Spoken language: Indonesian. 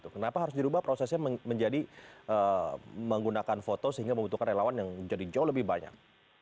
kenapa harus dirubah prosesnya menjadi menggunakan foto sehingga membutuhkan relawan yang jadi jauh lebih banyak